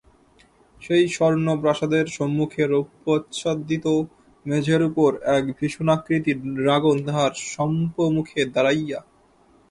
সেই স্বর্ণপ্রাসাদের সম্মুখে রৌপ্যচ্ছাদিত মেঝের উপর এক ভীষণাকৃতি ড্রাগন তাহার সম্পমুখে দাঁড়াইয়া।